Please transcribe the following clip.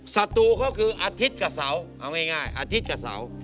ศัตรูก็คืออาทิตย์กับเสาเอาง่ายอาทิตย์กับเสา